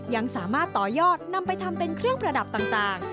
ยังสามารถต่อยอดนำไปทำเป็นเครื่องประดับต่าง